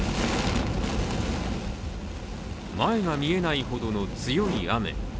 前が見えないほどの強い雨。